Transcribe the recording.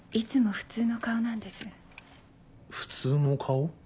普通の顔？